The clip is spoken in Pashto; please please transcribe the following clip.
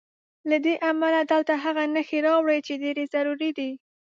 له دې امله دلته هغه نښې راوړو چې ډېرې ضروري دي.